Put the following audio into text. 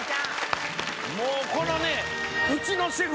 もうこのね。